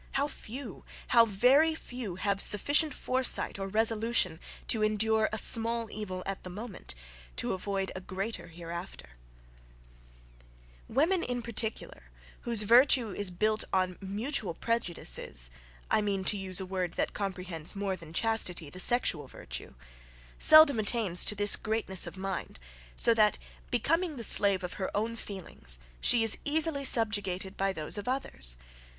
How few! how very few! have sufficient foresight or resolution, to endure a small evil at the moment, to avoid a greater hereafter. Woman in particular, whose virtue* is built on mutual prejudices, seldom attains to this greatness of mind; so that, becoming the slave of her own feelings, she is easily subjugated by those of others.